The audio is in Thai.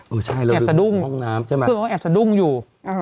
เออใช่เราดูห้องน้ำใช่ไหมอาจจะดุ้งคือว่าอาจจะดุ้งอยู่